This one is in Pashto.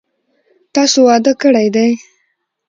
تاسو واده کړی دی؟